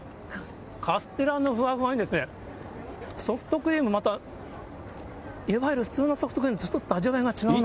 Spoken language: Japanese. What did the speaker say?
カステラのふわふわに、ソフトクリーム、また、いわゆる普通のソフトクリームと味わいが違うな。